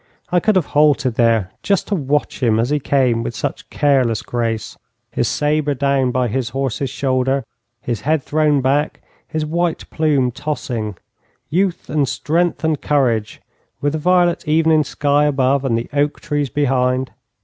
I could have halted there just to watch him as he came with such careless grace, his sabre down by his horse's shoulder, his head thrown back, his white plume tossing youth and strength and courage, with the violet evening sky above and the oak trees behind.